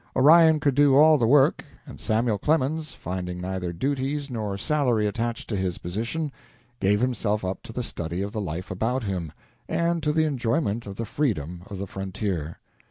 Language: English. Orion could do all the work, and Samuel Clemens, finding neither duties nor salary attached to his position, gave himself up to the study of the life about him, and to the enjoyment of the freedom of the frontier.